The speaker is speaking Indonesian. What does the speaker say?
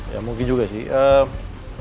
ya mungkin juga sih